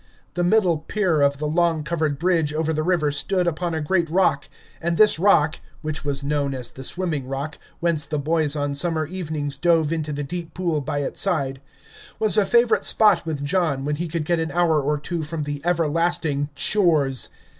The middle pier of the long covered bridge over the river stood upon a great rock, and this rock (which was known as the swimming rock, whence the boys on summer evenings dove into the deep pool by its side) was a favorite spot with John when he could get an hour or two from the everlasting "chores."